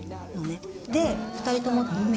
で２人とも。